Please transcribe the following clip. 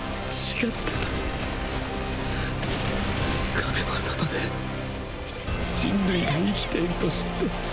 壁の外で人類が生きていると知って。